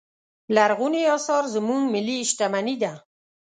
لرغوني اثار زموږ ملي شتمنې ده.